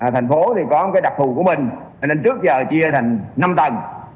thành phố thì có một đặc thù của mình nên trước giờ chia thành năm tầng